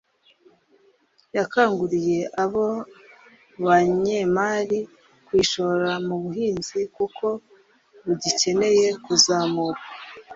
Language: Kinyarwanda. yakanguriye abo banyemari kuyishora mu buhinzi kuko bugikeneye kuzamurwa